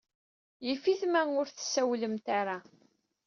Yif-it ma ur tessawlemt ara.